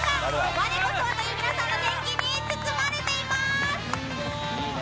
我こそはという皆さんの熱気に包まれています。